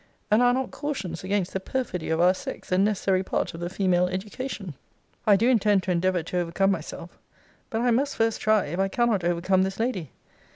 And are not cautions against the perfidy of our sex a necessary part of the female education? I do intend to endeavour to overcome myself; but I must first try, if I cannot overcome this lady.